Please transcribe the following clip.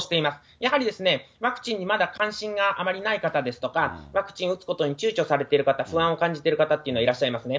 やはりワクチンにまだ関心があまりない方ですとか、ワクチンを打つことにちゅうちょされている方、不安を感じている方っていうのはいらっしゃいますね。